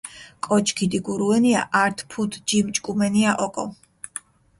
კოჩ ქიდიგურუენია ართ ფუთ ჯიმ ჭკუმენია ოკო.